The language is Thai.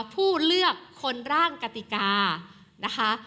ผู้เลือกคนร่างกติกานะคะ